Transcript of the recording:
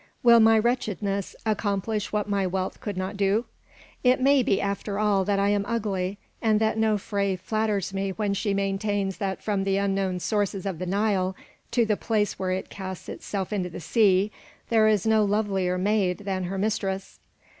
Will my wretchedness accomplish what my wealth could not do? It may be, after all, that I am ugly, and that Nofré flatters me when she maintains that from the unknown sources of the Nile to the place where it casts itself into the sea there is no lovelier maid than her mistress.